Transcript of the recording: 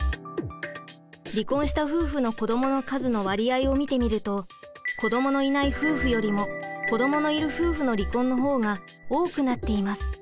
離婚した夫婦の子どもの数の割合を見てみると子どものいない夫婦よりも子どものいる夫婦の離婚の方が多くなっています。